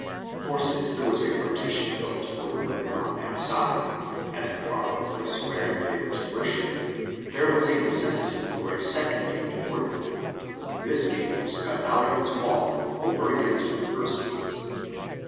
For since there was a partition built for the women on that side, as the proper place wherein they were to worship, there was a necessity for a second gate for them: this gate was cut out of its wall, over against the first gate.